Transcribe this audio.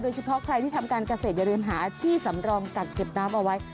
เฉพาะใครที่ทำการเกษตรอย่าลืมหาที่สำรองกักเก็บน้ำเอาไว้